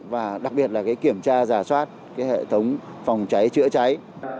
và đặc biệt là kiểm tra giả soát hệ thống phòng cháy chữa cháy